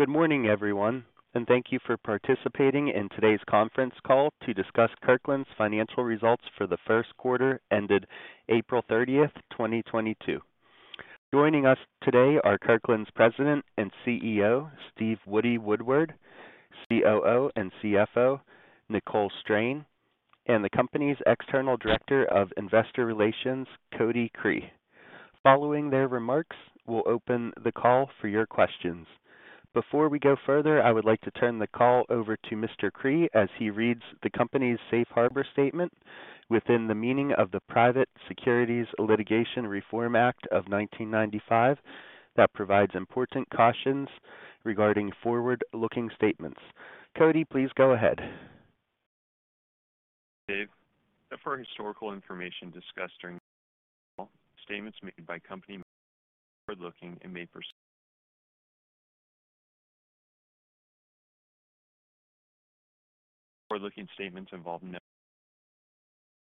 Good morning, everyone, and thank you for participating in today's conference call to discuss Kirkland's financial results for the first quarter ended April 30th, 2022. Joining us today are Kirkland's President and CEO, Steve Woody Woodward, COO and CFO, Nicole Strain, and the company's External Director of Investor Relations, Cody Cree. Following their remarks, we'll open the call for your questions. Before we go further, I would like to turn the call over to Mr. Cree as he reads the company's Safe Harbor statement within the meaning of the Private Securities Litigation Reform Act of 1995, that provides important cautions regarding forward-looking statements. Cody, please go ahead. Dave. Forward-looking statements involve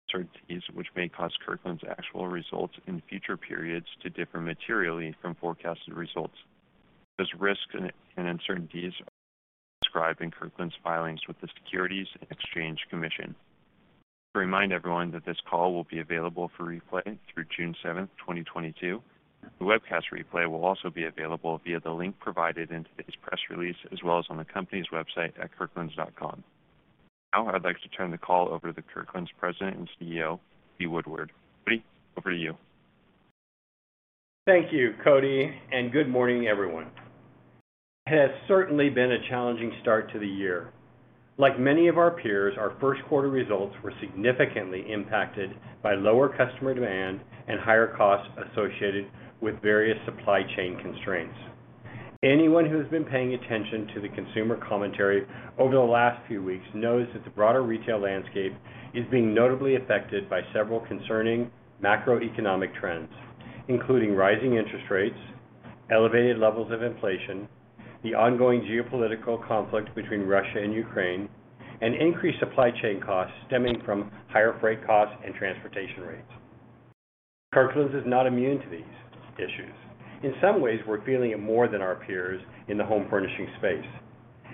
uncertainties which may cause Kirkland's actual results in future periods to differ materially from forecasted results. Those risks and uncertainties are described in Kirkland's filings with the Securities and Exchange Commission. To remind everyone that this call will be available for replay through June 7th, 2022. The webcast replay will also be available via the link provided in today's press release, as well as on the company's website at kirklands.com. Now, I'd like to turn the call over to Kirkland's President and CEO, Steve Woodward. Woody, over to you. Thank you, Cody, and good morning, everyone. It has certainly been a challenging start to the year. Like many of our peers, our first quarter results were significantly impacted by lower customer demand and higher costs associated with various supply chain constraints. Anyone who has been paying attention to the consumer commentary over the last few weeks knows that the broader retail landscape is being notably affected by several concerning macroeconomic trends, including rising interest rates, elevated levels of inflation, the ongoing geopolitical conflict between Russia and Ukraine, and increased supply chain costs stemming from higher freight costs and transportation rates. Kirkland's is not immune to these issues. In some ways, we're feeling it more than our peers in the home furnishing space.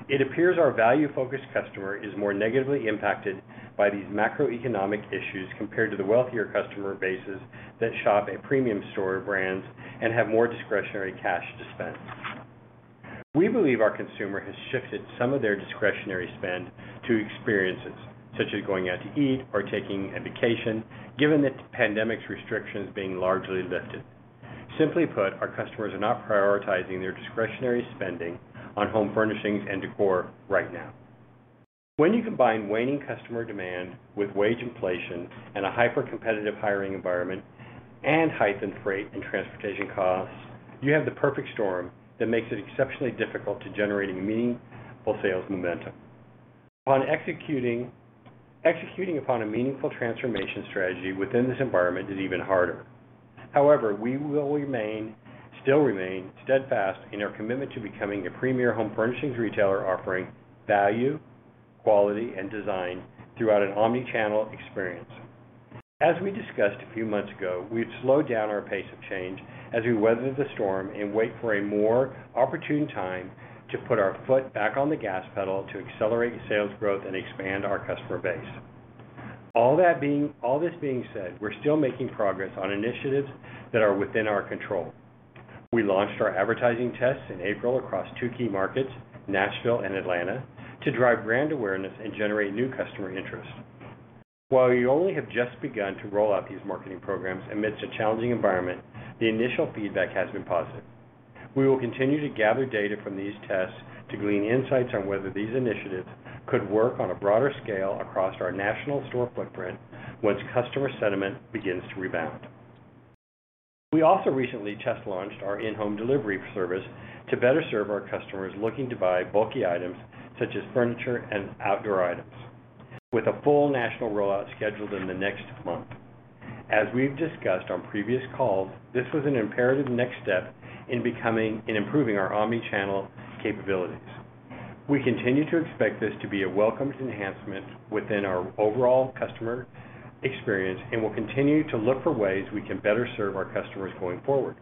It appears our value-focused customer is more negatively impacted by these macroeconomic issues compared to the wealthier customer bases that shop at premium store brands and have more discretionary cash to spend. We believe our consumer has shifted some of their discretionary spend to experiences such as going out to eat or taking a vacation, given the pandemic's restrictions being largely lifted. Simply put, our customers are not prioritizing their discretionary spending on home furnishings and decor right now. When you combine waning customer demand with wage inflation and a hyper-competitive hiring environment and heightened freight and transportation costs, you have the perfect storm that makes it exceptionally difficult to generate meaningful sales momentum. On executing upon a meaningful transformation strategy within this environment is even harder. However, we will still remain steadfast in our commitment to becoming a premier home furnishings retailer offering value, quality, and design throughout an omni-channel experience. As we discussed a few months ago, we've slowed down our pace of change as we weather the storm and wait for a more opportune time to put our foot back on the gas pedal to accelerate sales growth and expand our customer base. All this being said, we're still making progress on initiatives that are within our control. We launched our advertising tests in April across two key markets, Nashville and Atlanta, to drive brand awareness and generate new customer interest. While we only have just begun to roll out these marketing programs amidst a challenging environment, the initial feedback has been positive. We will continue to gather data from these tests to glean insights on whether these initiatives could work on a broader scale across our national store footprint once customer sentiment begins to rebound. We also recently test-launched our in-home delivery service to better serve our customers looking to buy bulky items such as furniture and outdoor items, with a full national rollout scheduled in the next month. As we've discussed on previous calls, this was an imperative next step in improving our omni-channel capabilities. We continue to expect this to be a welcomed enhancement within our overall customer experience and will continue to look for ways we can better serve our customers going forward.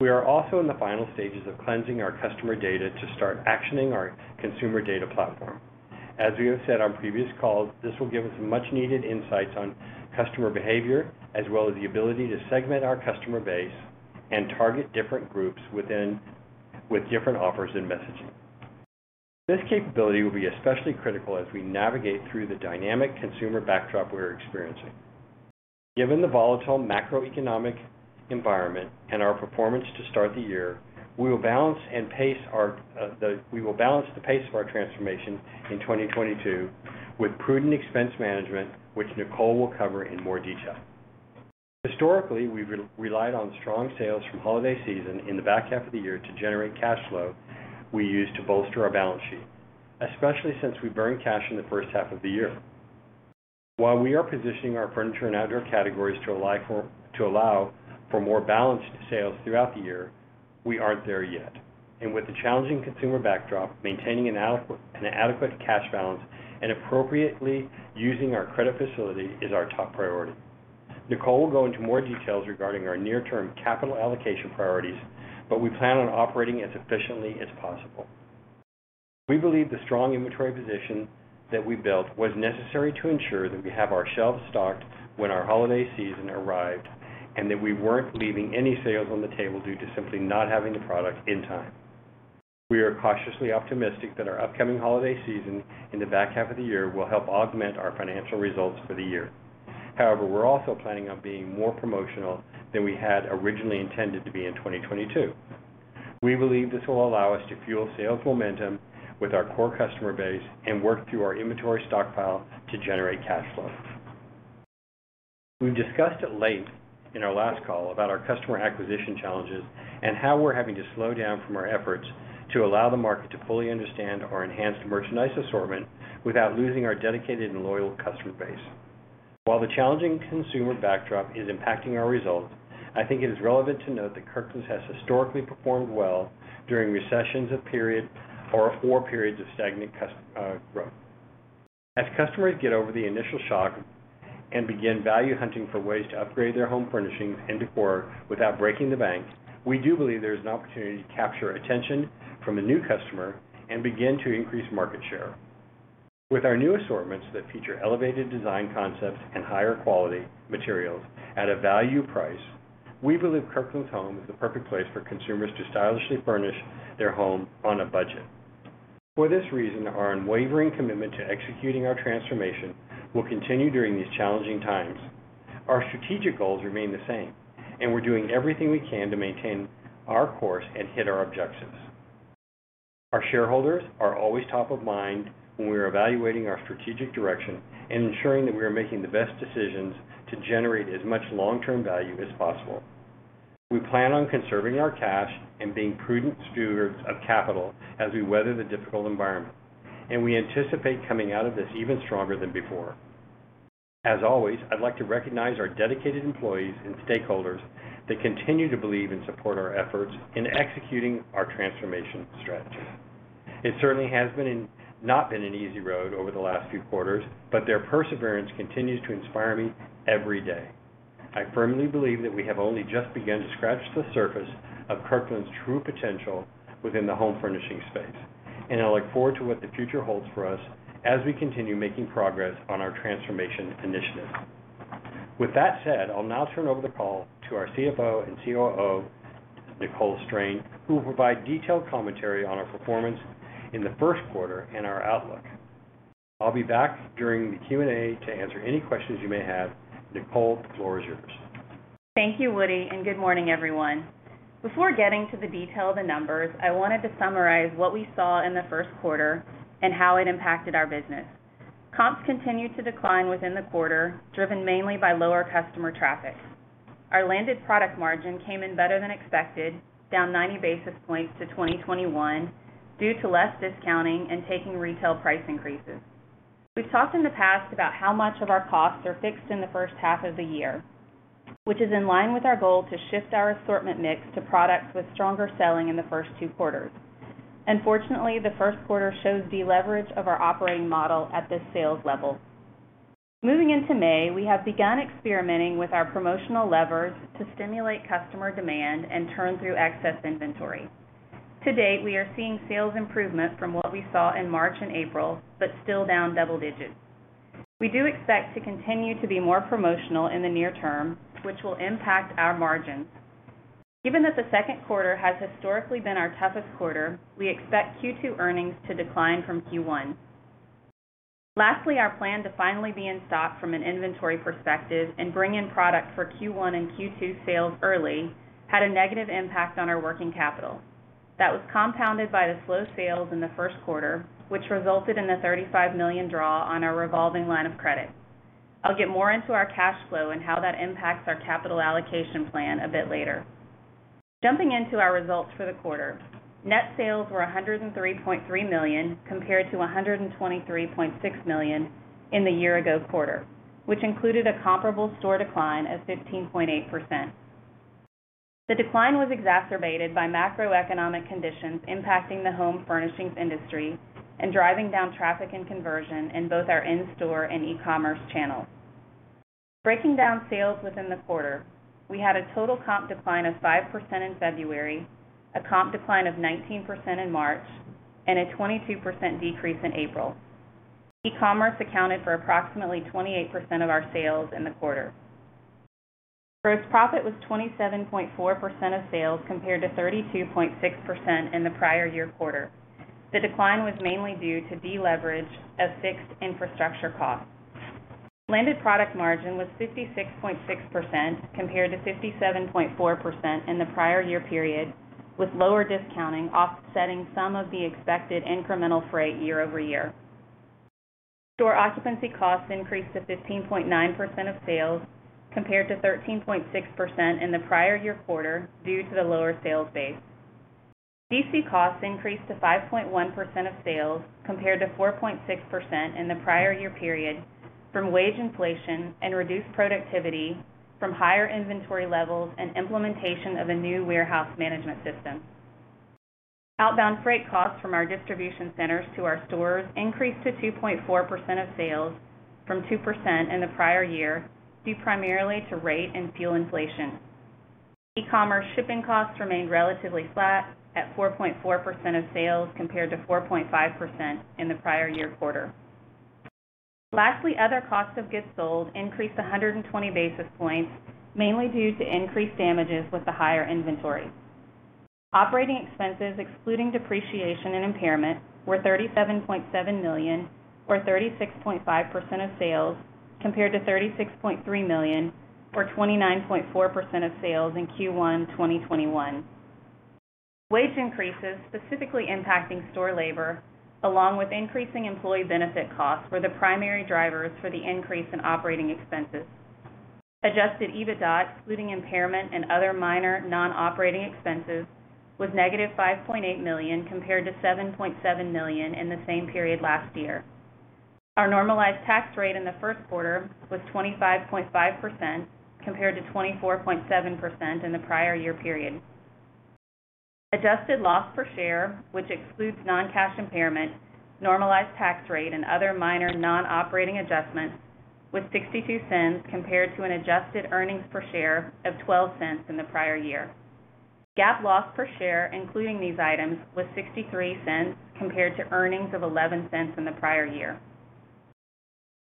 We are also in the final stages of cleansing our customer data to start actioning our Consumer Data Platform. As we have said on previous calls, this will give us much-needed insights on customer behavior, as well as the ability to segment our customer base and target different groups with different offers and messaging. This capability will be especially critical as we navigate through the dynamic consumer backdrop we're experiencing. Given the volatile macroeconomic environment and our performance to start the year, we will balance the pace of our transformation in 2022 with prudent expense management, which Nicole will cover in more detail. Historically, we've relied on strong sales from holiday season in the back half of the year to generate cash flow we use to bolster our balance sheet, especially since we burn cash in the first half of the year. While we are positioning our furniture and outdoor categories to allow for more balanced sales throughout the year, we aren't there yet. With the challenging consumer backdrop, maintaining an adequate cash balance and appropriately using our credit facility is our top priority. Nicole will go into more details regarding our near-term capital allocation priorities, but we plan on operating as efficiently as possible. We believe the strong inventory position that we built was necessary to ensure that we have our shelves stocked when our holiday season arrived, and that we weren't leaving any sales on the table due to simply not having the product in time. We are cautiously optimistic that our upcoming holiday season in the back half of the year will help augment our financial results for the year. However, we're also planning on being more promotional than we had originally intended to be in 2022. We believe this will allow us to fuel sales momentum with our core customer base and work through our inventory stockpile to generate cash flow. We discussed at length in our last call about our customer acquisition challenges and how we're having to slow down from our efforts to allow the market to fully understand our enhanced merchandise assortment without losing our dedicated and loyal customer base. While the challenging consumer backdrop is impacting our results, I think it is relevant to note that Kirkland's has historically performed well during recessions or four periods of stagnant growth. As customers get over the initial shock and begin value hunting for ways to upgrade their home furnishings and decor without breaking the bank, we do believe there is an opportunity to capture attention from a new customer and begin to increase market share. With our new assortments that feature elevated design concepts and higher quality materials at a value price, we believe Kirkland's Home is the perfect place for consumers to stylishly furnish their home on a budget. For this reason, our unwavering commitment to executing our transformation will continue during these challenging times. Our strategic goals remain the same, and we're doing everything we can to maintain our course and hit our objectives. Our shareholders are always top of mind when we are evaluating our strategic direction and ensuring that we are making the best decisions to generate as much long-term value as possible. We plan on conserving our cash and being prudent stewards of capital as we weather the difficult environment, and we anticipate coming out of this even stronger than before. As always, I'd like to recognize our dedicated employees and stakeholders that continue to believe and support our efforts in executing our transformation strategy. It certainly has not been an easy road over the last few quarters, but their perseverance continues to inspire me every day. I firmly believe that we have only just begun to scratch the surface of Kirkland's true potential within the home furnishing space, and I look forward to what the future holds for us as we continue making progress on our transformation initiatives. With that said, I'll now turn over the call to our CFO and COO, Nicole Strain, who will provide detailed commentary on our performance in the first quarter and our outlook. I'll be back during the Q&A to answer any questions you may have. Nicole, the floor is yours. Thank you, Woody, and good morning, everyone. Before getting to the detail of the numbers, I wanted to summarize what we saw in the first quarter and how it impacted our business. Comps continued to decline within the quarter, driven mainly by lower customer traffic. Our landed product margin came in better than expected, down 90 basis points to 21%, due to less discounting and taking retail price increases. We've talked in the past about how much of our costs are fixed in the first half of the year, which is in line with our goal to shift our assortment mix to products with stronger selling in the first two quarters. Unfortunately, the first quarter shows deleverage of our operating model at this sales level. Moving into May, we have begun experimenting with our promotional levers to stimulate customer demand and turn through excess inventory. To date, we are seeing sales improvement from what we saw in March and April, but still down double-digits. We do expect to continue to be more promotional in the near term, which will impact our margins. Even as the second quarter has historically been our toughest quarter, we expect Q2 earnings to decline from Q1. Lastly, our plan to finally be in stock from an inventory perspective and bring in product for Q1 and Q2 sales early had a negative impact on our working capital. That was compounded by the slow sales in the first quarter, which resulted in a $35 million draw on our revolving line of credit. I'll get more into our cash flow and how that impacts our capital allocation plan a bit later. Jumping into our results for the quarter, net sales were $103.3 million compared to $123.6 million in the year ago quarter, which included a comparable store decline of 15.8%. The decline was exacerbated by macroeconomic conditions impacting the home furnishings industry and driving down traffic and conversion in both our in-store and e-commerce channels. Breaking down sales within the quarter, we had a total comp decline of 5% in February, a comp decline of 19% in March, and a 22% decrease in April. E-commerce accounted for approximately 28% of our sales in the quarter. Gross profit was 27.4% of sales compared to 32.6% in the prior year quarter. The decline was mainly due to deleverage of fixed infrastructure costs. Landed product margin was 56.6% compared to 57.4% in the prior year period, with lower discounting offsetting some of the expected incremental freight year-over-year. Store occupancy costs increased to 15.9% of sales compared to 13.6% in the prior year quarter due to the lower sales base. DC costs increased to 5.1% of sales compared to 4.6% in the prior year period from wage inflation and reduced productivity from higher inventory levels and implementation of a new Warehouse Management System. Outbound freight costs from our Distribution Centers to our stores increased to 2.4% of sales from 2% in the prior year, due primarily to rate and fuel inflation. E-commerce shipping costs remained relatively flat at 4.4% of sales compared to 4.5% in the prior year quarter. Lastly, other Cost Of Goods Sold increased 120 basis points, mainly due to increased damages with the higher inventory. Operating expenses excluding depreciation and impairment were $37.7 million, or 36.5% of sales, compared to $36.3 million, or 29.4% of sales in Q1 2021. Wage increases, specifically impacting store labor, along with increasing employee benefit costs were the primary drivers for the increase in operating expenses. Adjusted EBITDA, excluding impairment and other minor non-operating expenses, was $-5.8 million compared to $7.7 million in the same period last year. Our normalized tax rate in the first quarter was 25.5% compared to 24.7% in the prior year period. Adjusted Loss per Share, which excludes non-cash impairment, normalized tax rate, and other minor non-operating adjustments, was $0.62 compared to an Adjusted Earnings Per Share of $0.12 in the prior year. GAAP loss per share, including these items, was $0.63 compared to earnings of $0.11 in the prior year.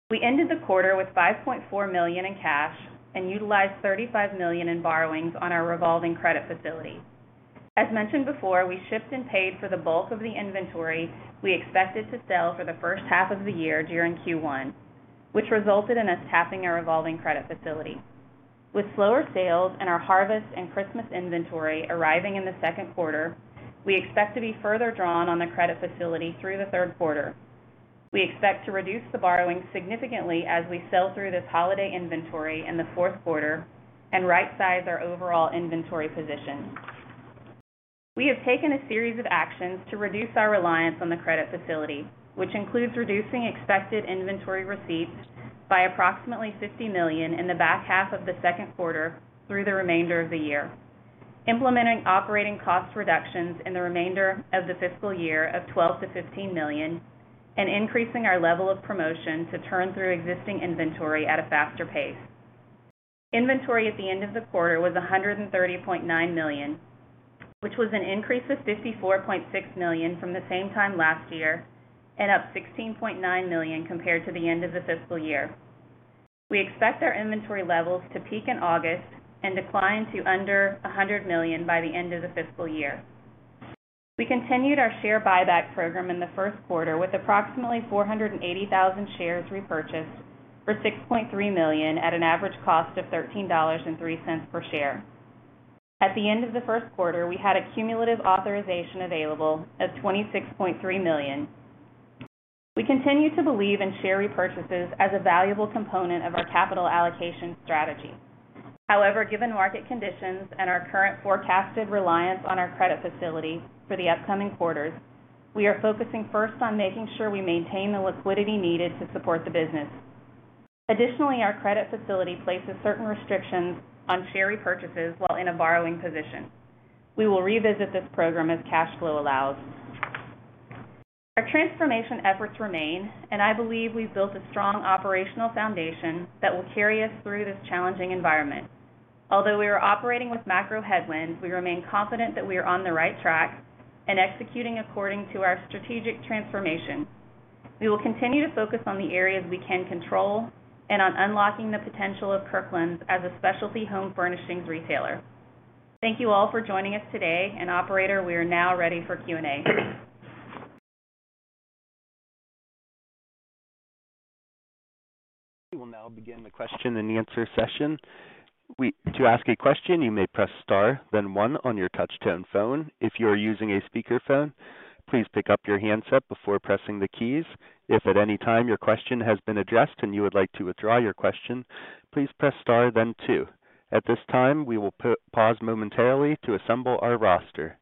We ended the quarter with $5.4 million in cash and utilized $35 million in borrowings on our revolving credit facility. As mentioned before, we shipped and paid for the bulk of the inventory we expected to sell for the first half of the year during Q1, which resulted in us tapping our revolving credit facility. With slower sales and our harvest and Christmas inventory arriving in the second quarter, we expect to be further drawn on the credit facility through the third quarter. We expect to reduce the borrowing significantly as we sell through this holiday inventory in the fourth quarter and rightsize our overall inventory position. We have taken a series of actions to reduce our reliance on the credit facility, which includes reducing expected inventory receipts by approximately $50 million in the back half of the second quarter through the remainder of the year, implementing operating cost reductions in the remainder of the fiscal year of $12 million-$15 million, and increasing our level of promotion to turn through existing inventory at a faster pace. Inventory at the end of the quarter was $130.9 million, which was an increase of $54.6 million from the same time last year and up $16.9 million compared to the end of the fiscal year. We expect our inventory levels to peak in August and decline to under $100 million by the end of the fiscal year. We continued our share buyback program in the first quarter with approximately 480,000 shares repurchased for $6.3 million at an average cost of $13.03 per share. At the end of the first quarter, we had a cumulative authorization available of $26.3 million. We continue to believe in share repurchases as a valuable component of our capital allocation strategy. However, given market conditions and our current forecasted reliance on our credit facility for the upcoming quarters, we are focusing first on making sure we maintain the liquidity needed to support the business. Additionally, our credit facility places certain restrictions on share repurchases while in a borrowing position. We will revisit this program as cash flow allows. Our transformation efforts remain, and I believe we've built a strong operational foundation that will carry us through this challenging environment. Although we are operating with macro headwinds, we remain confident that we are on the right track and executing according to our strategic transformation. We will continue to focus on the areas we can control and on unlocking the potential of Kirkland's as a specialty home furnishings retailer. Thank you all for joining us today, and operator, we are now ready for Q&A. We will now begin the question-and-answer session. To ask a question, you may press star, then one on your touch-tone phone. If you are using a speaker phone, please pick up your handset before pressing the keys. If at any time your question has been addressed and you would like to withdraw your question, please press star then two. At this time, we will pause momentarily to assemble our roster.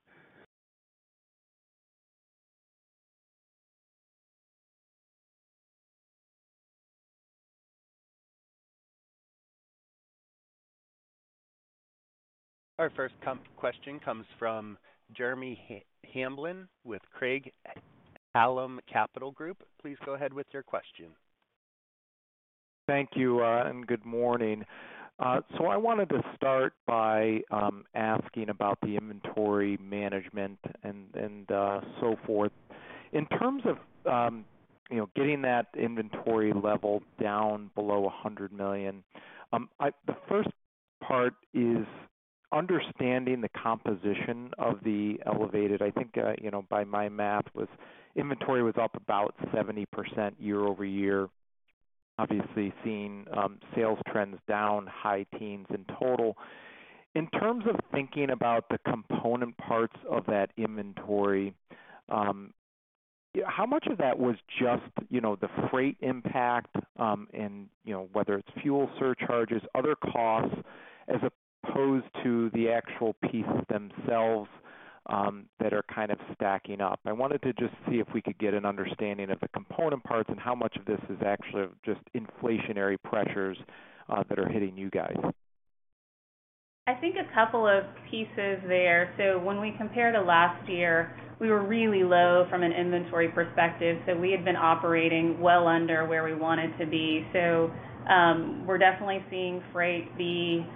Our first question comes from Jeremy Hamblin with Craig-Hallum Capital Group. Please go ahead with your question. Thank you, and good morning. I wanted to start by asking about the inventory management and so forth. In terms of you know, getting that inventory level down below $100 million, the first part is understanding the composition of the elevated. I think you know, by my math, inventory was up about 70% year-over-year, obviously seeing sales trends down high teens in total. In terms of thinking about the component parts of that inventory, how much of that was just you know, the freight impact and you know, whether it's fuel surcharges, other costs, as opposed to the actual pieces themselves that are kind of stacking up? I wanted to just see if we could get an understanding of the component parts and how much of this is actually just inflationary pressures that are hitting you guys? I think a couple of pieces there. When we compare to last year, we were really low from an inventory perspective, so we had been operating well under where we wanted to be. We're definitely seeing freight be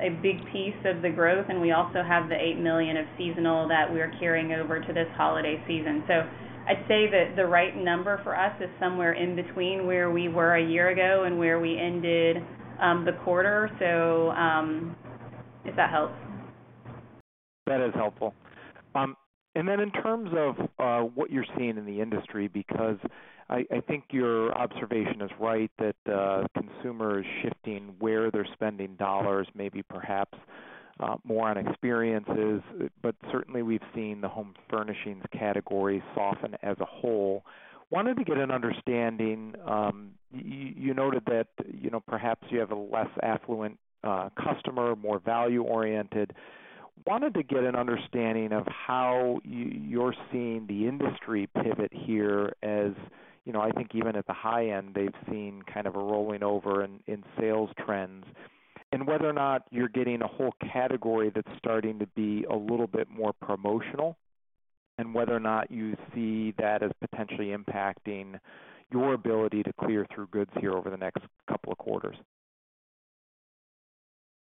a big piece of the growth, and we also have the $8 million of seasonal that we're carrying over to this holiday season. I'd say that the right number for us is somewhere in between where we were a year ago and where we ended the quarter. If that helps. That is helpful. In terms of what you're seeing in the industry, because I think your observation is right that consumer is shifting where they're spending dollars, maybe perhaps more on experiences. Certainly we've seen the home furnishings category soften as a whole. Wanted to get an understanding. You noted that, you know, perhaps you have a less affluent customer, more value-oriented. Wanted to get an understanding of how you're seeing the industry pivot here. As you know, I think even at the high end, they've seen kind of a rolling over in sales trends. Whether or not you're getting a whole category that's starting to be a little bit more promotional, and whether or not you see that as potentially impacting your ability to clear through goods here over the next couple of quarters.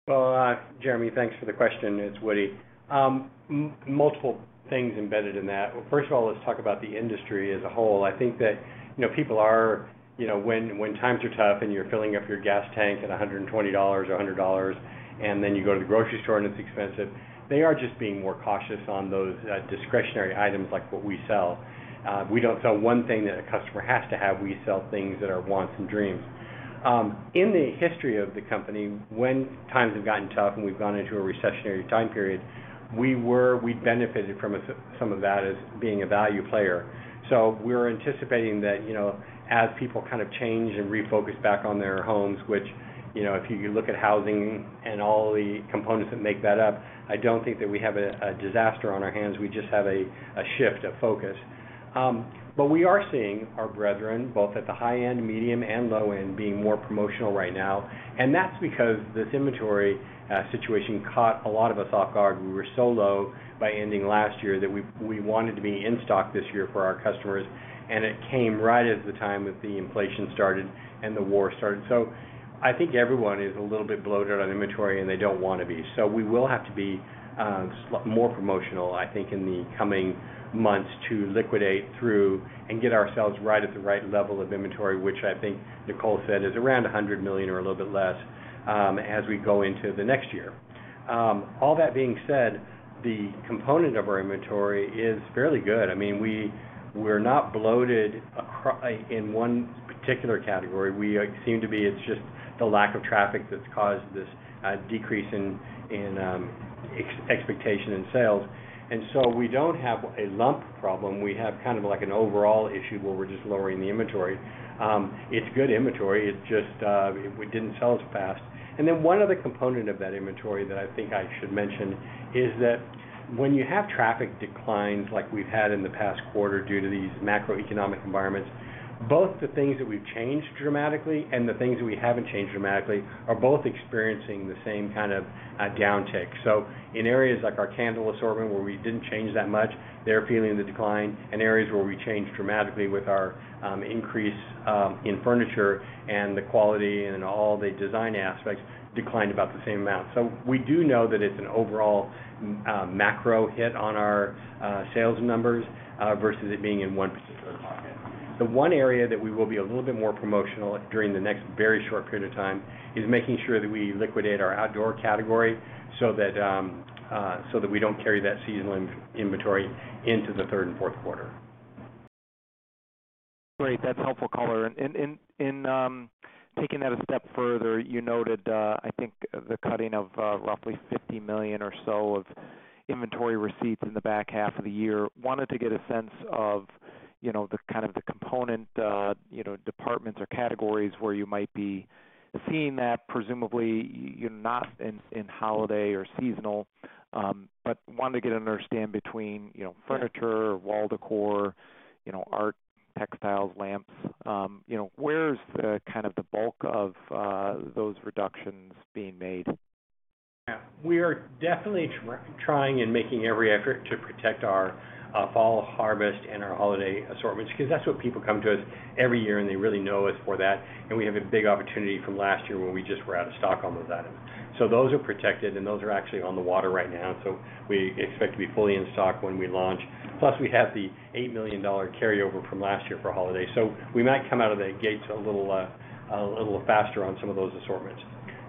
Well, Jeremy, thanks for the question. It's Woody. Multiple things embedded in that. First of all, let's talk about the industry as a whole. I think that, you know, people are. You know, when times are tough and you're filling up your gas tank at $120 or $100, and then you go to the grocery store and it's expensive, they are just being more cautious on those discretionary items like what we sell. We don't sell one thing that a customer has to have. We sell things that are wants and dreams. In the history of the company, when times have gotten tough and we've gone into a recessionary time period, we benefited from some of that as being a value player. We're anticipating that, you know, as people kind of change and refocus back on their homes, which, you know, if you look at housing and all the components that make that up, I don't think that we have a disaster on our hands. We just have a shift of focus. We are seeing our brethren, both at the high end, medium and low end, being more promotional right now. That's because this inventory situation caught a lot of us off guard. We were so low by ending last year that we wanted to be in stock this year for our customers, and it came right at the time that the inflation started and the war started. I think everyone is a little bit bloated on inventory, and they don't wanna be. We will have to be more promotional, I think, in the coming months to liquidate through and get ourselves right at the right level of inventory, which I think Nicole said is around $100 million or a little bit less, as we go into the next year. All that being said, the component of our inventory is fairly good. I mean, we're not bloated in one particular category. We seem to be. It's just the lack of traffic that's caused this decrease in expected sales. We don't have a lump problem. We have kind of like an overall issue where we're just lowering the inventory. It's good inventory. It just, we didn't sell as fast. One other component of that inventory that I think I should mention is that when you have traffic declines like we've had in the past quarter due to these macroeconomic environments, both the things that we've changed dramatically and the things that we haven't changed dramatically are both experiencing the same kind of downtick. In areas like our candle assortment where we didn't change that much, they're feeling the decline, and areas where we changed dramatically with our increase in furniture and the quality and all the design aspects declined about the same amount. We do know that it's an overall macro hit on our sales numbers versus it being in one particular pocket. The one area that we will be a little bit more promotional during the next very short period of time is making sure that we liquidate our outdoor category so that we don't carry that seasonal inventory into the third and fourth quarter. Great. That's helpful color. Taking that a step further, you noted, I think the cutting of roughly $50 million or so of inventory receipts in the back half of the year. Wanted to get a sense of, you know, the kind of the component, you know, departments or categories where you might be seeing that. Presumably, you're not in holiday or seasonal, wanted to get an understanding between, you know, furniture, wall decor, you know, art, textiles, lamps, you know. Where is the, kind of the bulk of, those reductions being made? Yeah. We are definitely trying and making every effort to protect our fall harvest and our holiday assortments 'cause that's what people come to us every year, and they really know us for that. We have a big opportunity from last year where we just were out of stock on those items. Those are protected, and those are actually on the water right now, so we expect to be fully in stock when we launch. We have the $8 million carryover from last year for holiday. We might come out of the gates a little, a little faster on some of those assortments.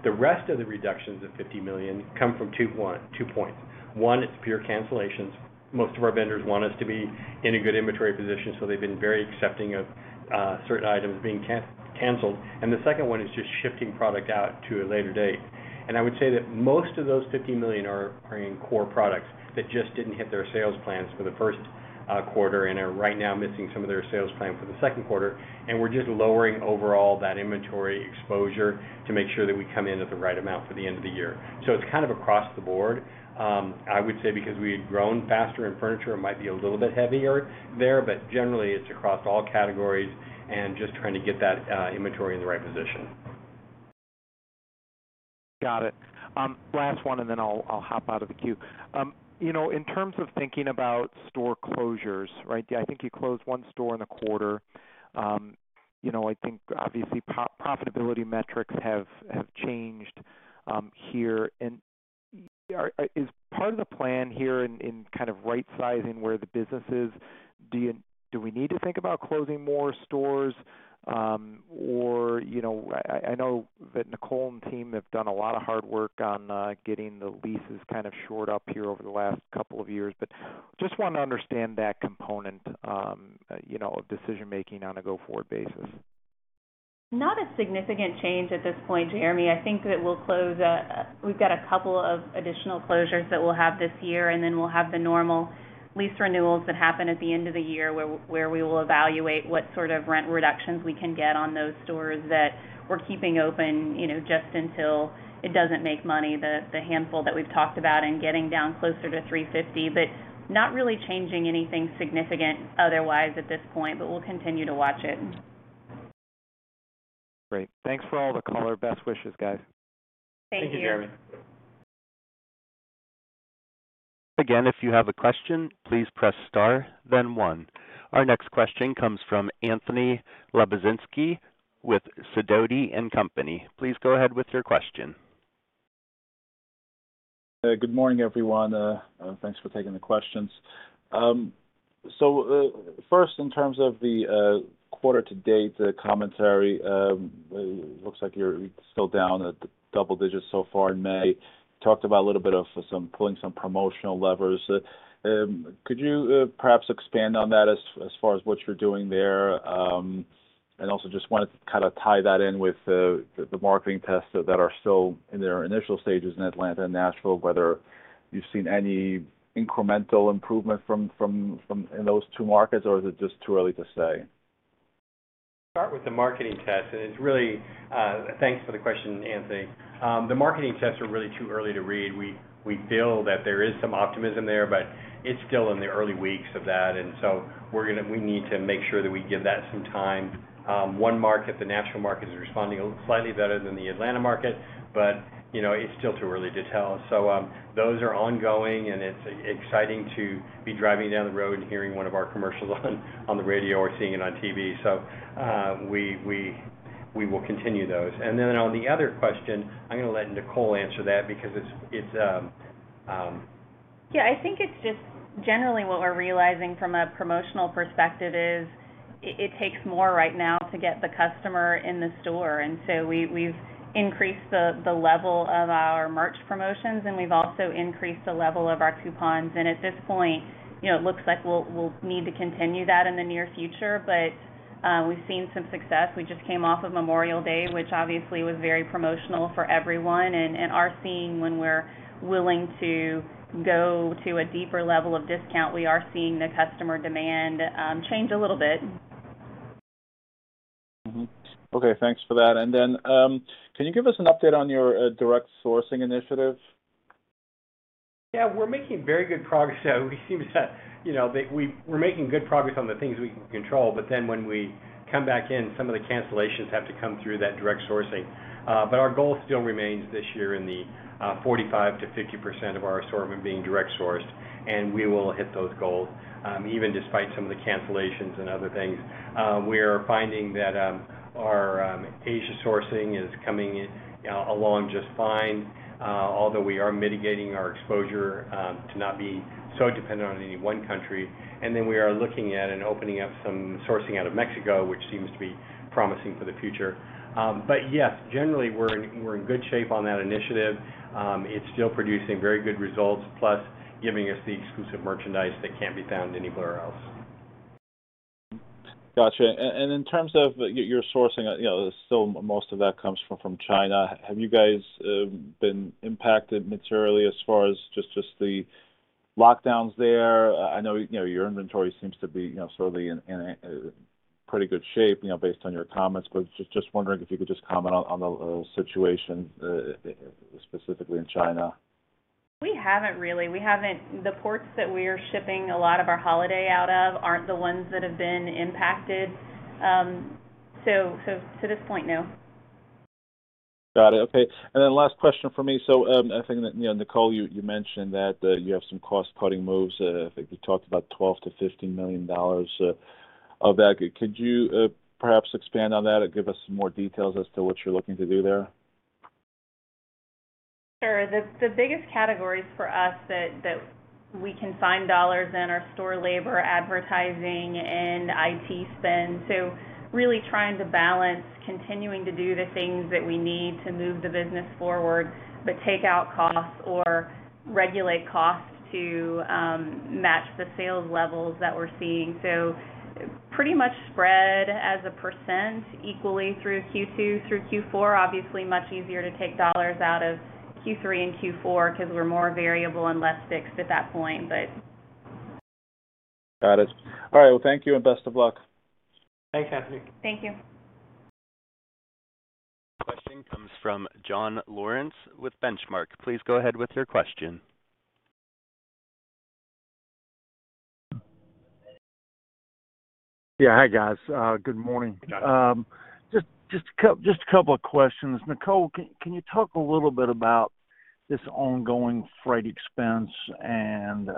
The rest of the reductions of $50 million come from two points. One, it's pure cancellations. Most of our vendors want us to be in a good inventory position, so they've been very accepting of certain items being canceled. The second one is just shifting product out to a later date. I would say that most of those $50 million are in core products that just didn't hit their sales plans for the first quarter and are right now missing some of their sales plan for the second quarter. We're just lowering overall that inventory exposure to make sure that we come in at the right amount for the end of the year. It's kind of across the board. I would say because we had grown faster in furniture, it might be a little bit heavier there, but generally it's across all categories and just trying to get that inventory in the right position. Got it. Last one and then I'll hop out of the queue. You know, in terms of thinking about store closures, right? Yeah, I think you closed one store in the quarter. You know, I think obviously profitability metrics have changed here. Is part of the plan here in kind of right-sizing where the business is, do we need to think about closing more stores? Or, you know, I know that Nicole and team have done a lot of hard work on getting the leases kind of shored up here over the last couple of years. But just want to understand that component, you know, of decision-making on a go-forward basis. Not a significant change at this point, Jeremy. I think that we'll close, we've got a couple of additional closures that we'll have this year, and then we'll have the normal lease renewals that happen at the end of the year where we will evaluate what sort of rent reductions we can get on those stores that we're keeping open, you know, just until it doesn't make money, the handful that we've talked about and getting down closer to 350. Not really changing anything significant otherwise at this point, but we'll continue to watch it. Great. Thanks for all the color. Best wishes, guys. Thank you. Thank you, Jeremy. Again, if you have a question, please press star, then one. Our next question comes from Anthony Lebiedzinski with Sidoti & Company. Please go ahead with your question. Good morning, everyone. Thanks for taking the questions. First in terms of the quarter-to-date commentary, looks like you're still down at double-digits so far in May. Talked about a little bit of pulling some promotional levers. Could you perhaps expand on that as far as what you're doing there? And also just want to kind of tie that in with the marketing tests that are still in their initial stages in Atlanta and Nashville, whether you've seen any incremental improvement from in those two markets, or is it just too early to say? Start with the marketing test. It's really thanks for the question, Anthony. The marketing tests are really too early to read. We feel that there is some optimism there, but it's still in the early weeks of that. We need to make sure that we give that some time. One market, the Nashville market, is responding slightly better than the Atlanta market, but you know, it's still too early to tell. Those are ongoing, and it's exciting to be driving down the road and hearing one of our commercials on the radio or seeing it on TV. We will continue those. Then on the other question, I'm gonna let Nicole answer that because it's Yeah, I think it's just generally what we're realizing from a promotional perspective is it takes more right now to get the customer in the store. We've increased the level of our merch promotions, and we've also increased the level of our coupons. At this point, you know, it looks like we'll need to continue that in the near future. We've seen some success. We just came off of Memorial Day, which obviously was very promotional for everyone, and we're seeing when we're willing to go to a deeper level of discount, we are seeing the customer demand change a little bit. Mm-hmm. Okay, thanks for that. Can you give us an update on your direct sourcing initiative? Yeah, we're making very good progress. We seem to, you know, we're making good progress on the things we can control, but then when we come back in, some of the cancellations have to come through that direct sourcing. Our goal still remains this year in the 45%-50% of our assortment being direct sourced, and we will hit those goals, even despite some of the cancellations and other things. We are finding that our Asia sourcing is coming along just fine, although we are mitigating our exposure to not be so dependent on any one country. We are looking at and opening up some sourcing out of Mexico, which seems to be promising for the future. Yes, generally we're in good shape on that initiative. It's still producing very good results, plus giving us the exclusive merchandise that can't be found anywhere else. Gotcha. In terms of your sourcing, you know, still most of that comes from China. Have you guys been impacted materially as far as just the lockdowns there? I know, you know, your inventory seems to be, you know, slowly in pretty good shape, you know, based on your comments, but just wondering if you could just comment on the situation specifically in China. We haven't really. The ports that we are shipping a lot of our holiday out of aren't the ones that have been impacted. So to this point, no. Got it. Okay. Last question from me. I think that, you know, Nicole, you mentioned that you have some cost-cutting moves. I think we talked about $12 million-$15 million of that. Could you perhaps expand on that or give us some more details as to what you're looking to do there? Sure. The biggest categories for us that we can find dollars in are store labor, advertising, and IT spend. Really trying to balance continuing to do the things that we need to move the business forward, but take out costs or regulate costs to match the sales levels that we're seeing. Pretty much spread as a percent equally through Q2 through Q4. Obviously, much easier to take dollars out of Q3 and Q4 because we're more variable and less fixed at that point. Got it. All right. Well, thank you and best of luck. Thanks, Anthony. Thank you. Question comes from John Lawrence with Benchmark. Please go ahead with your question. Yeah. Hi, guys, good morning. Yeah. Just a couple of questions. Nicole, can you talk a little bit about this ongoing freight expense and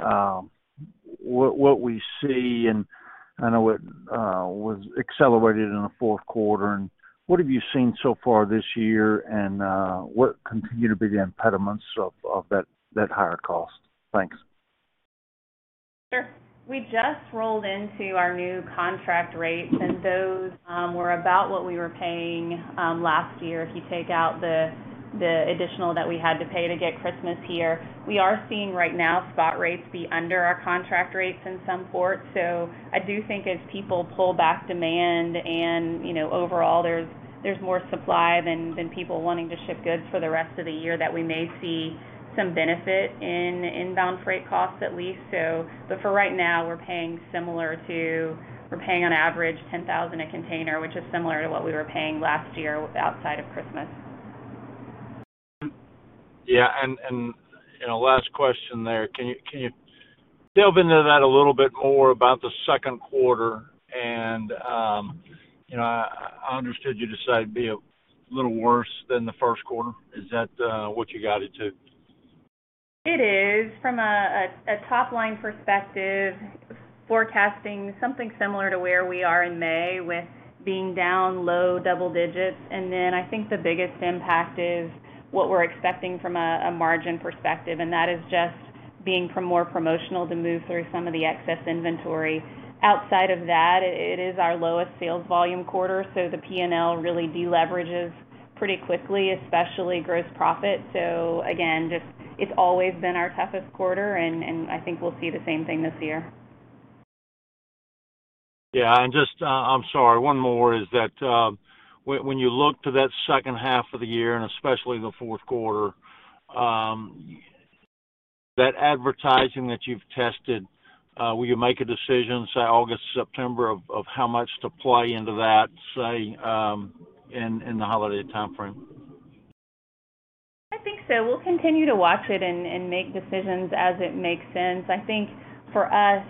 what we see and I know it was accelerated in the fourth quarter. What have you seen so far this year, and what continue to be the impediments of that higher cost? Thanks. Sure. We just rolled into our new contract rates, and those were about what we were paying last year if you take out the additional that we had to pay to get Christmas here. We are seeing right now spot rates be under our contract rates in some ports. I do think as people pull back demand and, you know, overall there's more supply than people wanting to ship goods for the rest of the year, that we may see some benefit in inbound freight costs at least. For right now, we're paying on average $10,000 a container, which is similar to what we were paying last year outside of Christmas. Yeah. You know, last question there. Can you delve into that a little bit more about the second quarter? You know, I understood you decided to be a little worse than the first quarter. Is that what you guided to? It is. From a top-line perspective, forecasting something similar to where we are in May with being down low double-digits. I think the biggest impact is what we're expecting from a margin perspective, and that is just being more promotional to move through some of the excess inventory. Outside of that, it is our lowest sales volume quarter, so the P&L really deleverages pretty quickly, especially gross profit. Again, just it's always been our toughest quarter, and I think we'll see the same thing this year. Yeah. Just, I'm sorry, one more is that, when you look to that second half of the year and especially the fourth quarter, that advertising that you've tested, will you make a decision, say August, September of how much to play into that, say, in the holiday timeframe? I think so. We'll continue to watch it and make decisions as it makes sense. I think for us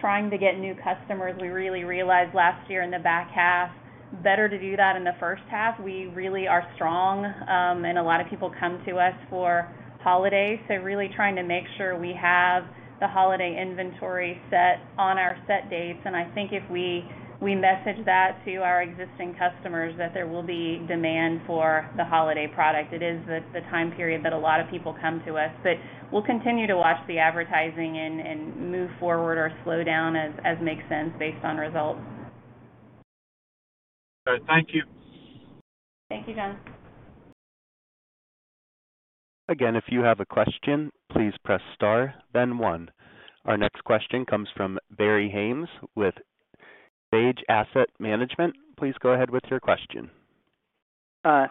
trying to get new customers, we really realized last year in the back half better to do that in the first half. We really are strong and a lot of people come to us for holidays, so really trying to make sure we have the holiday inventory set on our set dates. I think if we message that to our existing customers that there will be demand for the holiday product. It is the time period that a lot of people come to us. We'll continue to watch the advertising and move forward or slow down as makes sense based on results. All right. Thank you. Thank you, John. Again, if you have a question, please press star then one. Our next question comes from Barry Haimes with Sage Asset Management. Please go ahead with your question.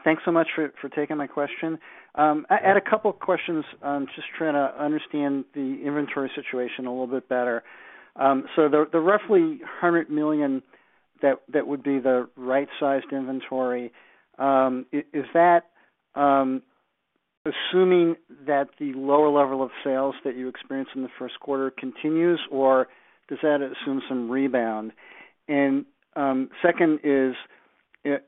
Thanks so much for taking my question. I had a couple of questions, just trying to understand the inventory situation a little bit better. The roughly $100 million that would be the right-sized inventory—is that assuming that the lower level of sales that you experienced in the first quarter continues, or does that assume some rebound? Second is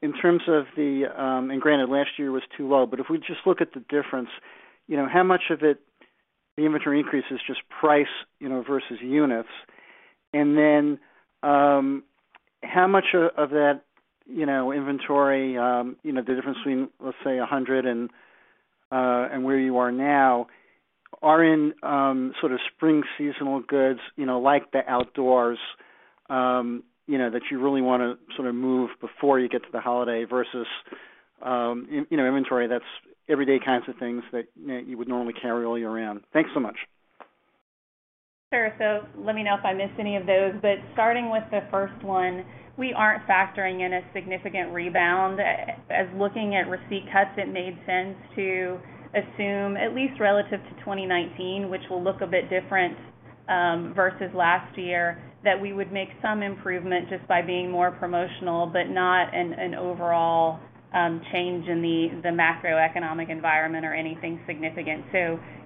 in terms of, and granted last year was too low, but if we just look at the difference, you know, how much of it, the inventory increase, is just price, you know, versus units? How much of that, you know, inventory, the difference between, let's say, $100 million and where you are now are in, sort of spring seasonal goods, you know, like the outdoors, that you really wanna sort of move before you get to the holiday versus, in, you know, inventory that's everyday kinds of things that, you know, you would normally carry all year round? Thanks so much. Sure. Let me know if I miss any of those. Starting with the first one, we aren't factoring in a significant rebound. As looking at receipt cuts, it made sense to assume at least relative to 2019, which will look a bit different versus last year, that we would make some improvement just by being more promotional, but not an overall change in the macroeconomic environment or anything significant.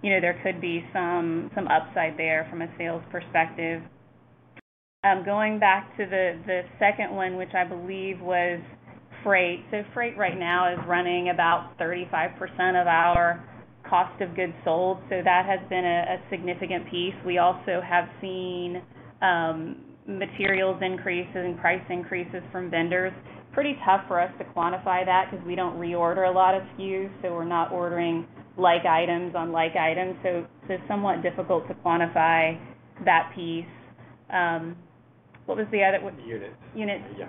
You know, there could be some upside there from a sales perspective. Going back to the second one, which I believe was freight. Freight right now is running about 35% of our Cost Of Goods Sold, so that has been a significant piece. We also have seen materials increases and price increases from vendors. Pretty tough for us to quantify that because we don't reorder a lot of SKUs, so we're not ordering like items on like items. So it's somewhat difficult to quantify that piece. What was the other one? Units. Units. Yeah.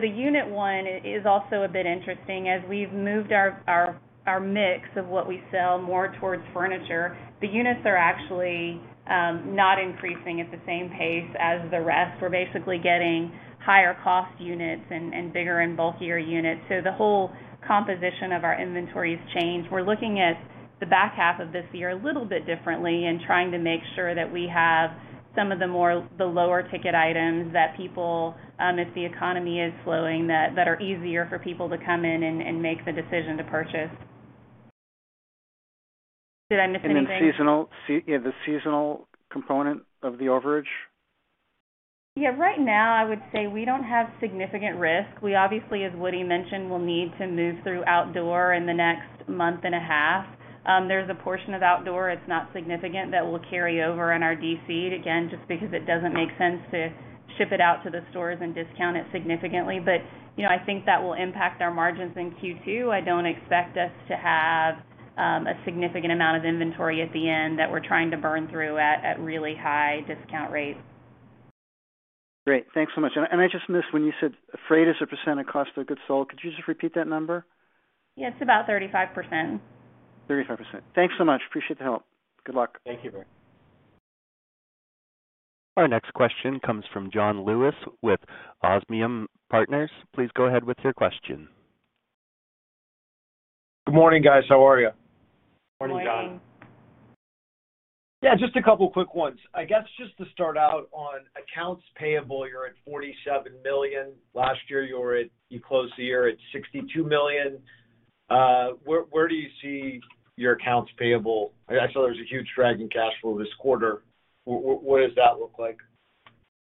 The unit one is also a bit interesting. As we've moved our mix of what we sell more towards furniture, the units are actually not increasing at the same pace as the rest. We're basically getting higher cost units and bigger and bulkier units. The whole composition of our inventory has changed. We're looking at the back half of this year a little bit differently and trying to make sure that we have some of the more, the lower ticket items that people, if the economy is slowing, that are easier for people to come in and make the decision to purchase. Did I miss anything? Seasonal component of the overage. Yeah. Right now, I would say we don't have significant risk. We obviously, as Woody mentioned, will need to move through outdoor in the next 1.5 months. There's a portion of outdoor, it's not significant, that will carry over in our DC, again, just because it doesn't make sense to ship it out to the stores and discount it significantly. You know, I think that will impact our margins in Q2. I don't expect us to have a significant amount of inventory at the end that we're trying to burn through at really high discount rates. Great. Thanks so much. I just missed when you said freight as a percent of Cost Of Goods Sold. Could you just repeat that number? Yeah, it's about 35%. 35%. Thanks so much. Appreciate the help. Good luck. Thank you. Our next question comes from John Lewis with Osmium Partners. Please go ahead with your question. Good morning, guys. How are you? Morning. Morning, John. Yeah, just a couple quick ones. I guess, just to start out on accounts payable, you're at $47 million. Last year, you closed the year at $62 million. Where do you see your accounts payable? I saw there was a huge drag in cash flow this quarter. What does that look like?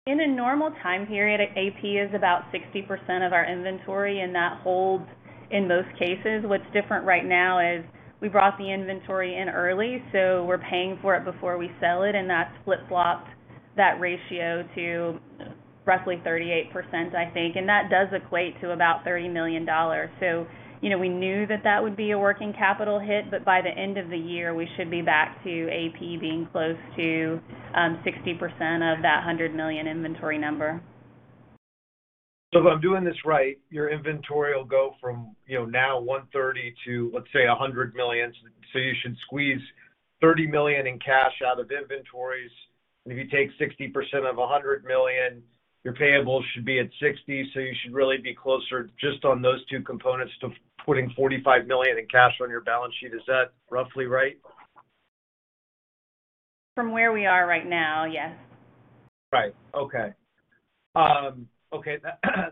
In a normal time period, AP is about 60% of our inventory, and that holds in most cases. What's different right now is we brought the inventory in early, so we're paying for it before we sell it, and that's flip-flopped that ratio to roughly 38%, I think. That does equate to about $30 million. You know, we knew that would be a working capital hit, but by the end of the year, we should be back to AP being close to 60% of that $100 million inventory number. If I'm doing this right, your inventory will go from, you know, now $130 million to, let's say, $100 million. You should squeeze $30 million in cash out of inventories. If you take 60% of $100 million, your payables should be at $60 million. You should really be closer, just on those two components, to putting $45 million in cash on your balance sheet. Is that roughly right? From where we are right now, yes. Right. Okay, okay.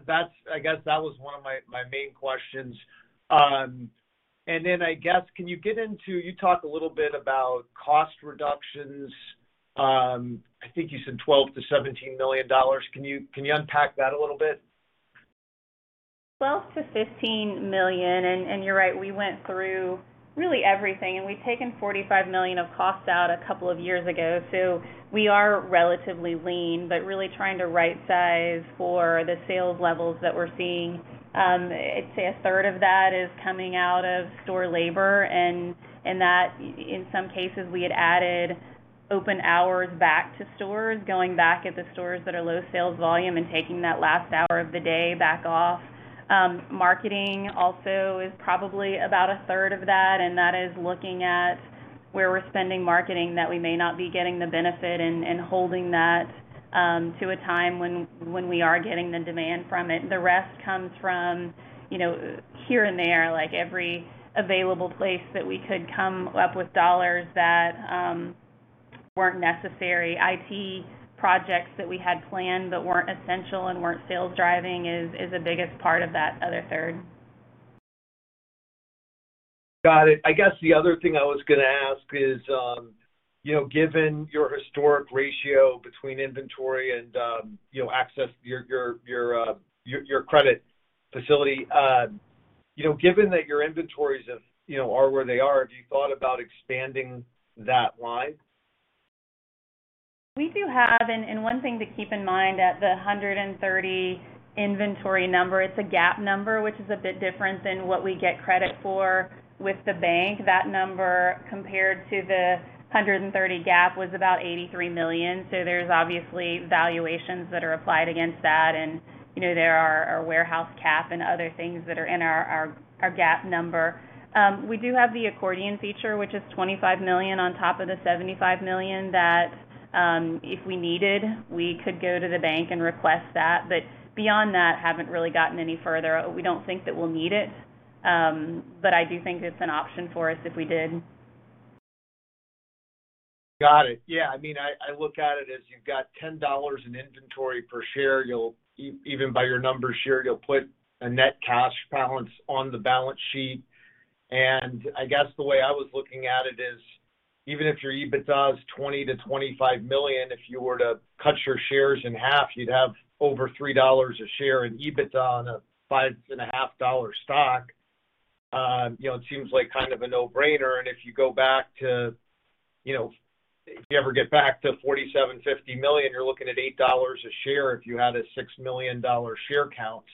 That's, I guess that was one of my main questions. Then I guess, can you get into, you talk a little bit about cost reductions. I think you said $12 million-$17 million. Can you unpack that a little bit? $12 million-$15 million. You're right, we went through really everything, and we'd taken $45 million of costs out a couple of years ago. We are relatively lean, but really trying to right size for the sales levels that we're seeing. I'd say 1/3 of that is coming out of store labor, and that in some cases, we had added open hours back to stores, going back to the stores that are low sales volume and taking that last hour of the day back off. Marketing also is probably about 1/3 of that, and that is looking at where we're spending marketing that we may not be getting the benefit and holding that to a time when we are getting the demand from it. The rest comes from, you know, here and there, like every available place that we could come up with dollars that weren't necessary. IT projects that we had planned that weren't essential and weren't sales driving is the biggest part of that other 1/3. Got it. I guess the other thing I was gonna ask is, you know, given your historic ratio between inventory and, you know, access to your credit facility, you know, given that your inventories are where they are, have you thought about expanding that line? One thing to keep in mind at the $130 million inventory number, it's a GAAP number, which is a bit different than what we get credit for with the bank. That number compared to the $130 million GAAP was about $83 million. There's obviously valuations that are applied against that. You know, there are our warehouse cap and other things that are in our GAAP number. We do have the accordion feature, which is $25 million on top of the $75 million that, if we needed, we could go to the bank and request that. Beyond that, haven't really gotten any further. We don't think that we'll need it. I do think it's an option for us if we did. Got it. Yeah, I mean, I look at it as you've got $10 in inventory per share. Even by your numbers per share, you'll put a net cash balance on the balance sheet. I guess the way I was looking at it is, even if your EBITDA is $20 million-$25 million, if you were to cut your shares in 1/2, you'd have over $3 a share in EBITDA on a $5.50 stock. You know, it seems like kind of a no-brainer. If you go back to, you know, if you ever get back to $47 million-$50 million, you're looking at $8 a share if you had a $6 million share count.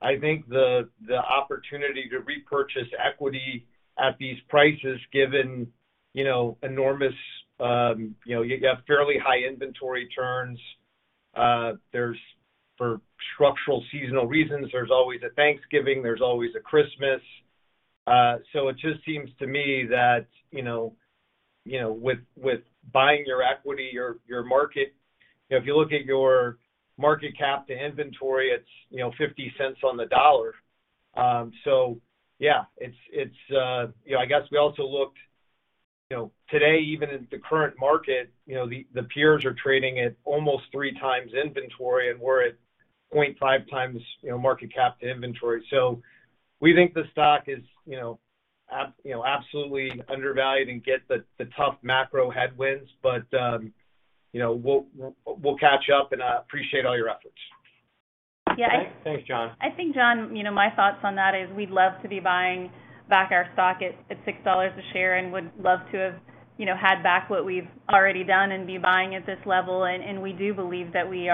I think the opportunity to repurchase equity at these prices, given you know enormous you know you have fairly high inventory turns. There's, for structural seasonal reasons, there's always a Thanksgiving, there's always a Christmas. It just seems to me that you know with buying your equity your market you know if you look at your market cap to inventory, it's you know $0.50 on the dollar. Yeah, it's you know I guess we also looked you know today even in the current market you know the peers are trading at almost 3x inventory, and we're at 0.5x you know market cap to inventory. We think the stock is you know absolutely undervalued given the tough macro headwinds. You know, we'll catch up, and I appreciate all your efforts. Yeah. Thanks, John. I think, John, you know, my thoughts on that is we'd love to be buying back our stock at $6 a share and would love to have, you know, had back what we've already done and be buying at this level. We do believe that we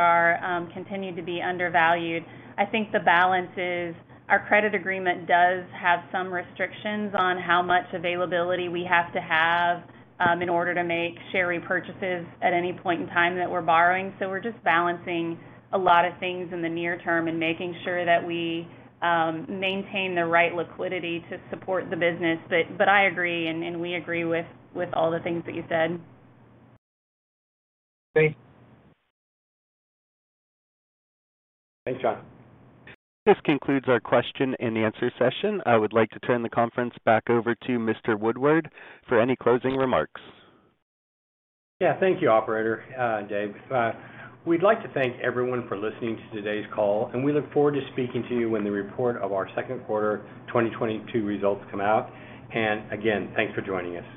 continue to be undervalued. I think the balance is our credit agreement does have some restrictions on how much availability we have to have in order to make share repurchases at any point in time that we're borrowing. We're just balancing a lot of things in the near term and making sure that we maintain the right liquidity to support the business. I agree, and we agree with all the things that you said. Great. Thanks, John. This concludes our question-and-answer session. I would like to turn the conference back over to Mr. Woodward for any closing remarks. Yeah. Thank you, operator, Dave. We'd like to thank everyone for listening to today's call, and we look forward to speaking to you when the report of our second quarter 2022 results come out. Again, thanks for joining us.